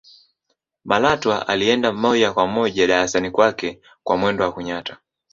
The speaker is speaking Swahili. malatwa alienda moja kwa moja darasani kwake kwa mwendo wa kunyata